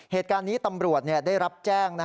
เหตุการณ์นี้ตำรวจได้รับแจ้ง